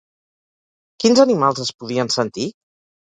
Quins animals es podien sentir?